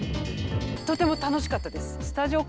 とても楽しかったです。